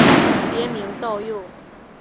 别名道佑。